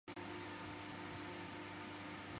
这是一份穆罗姆统治者的列表。